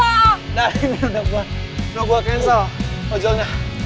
nah ini udah gua udah gua cancel ojalnya